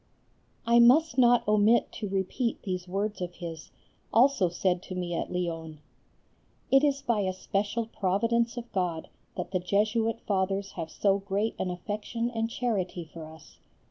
I must not omit to repeat these words of his, also said to me at Lyons: "It is by a special providence of God that the Jesuit Fathers have so great an affection and charity for us.